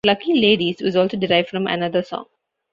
"Lucky Ladies" was also derived from another song.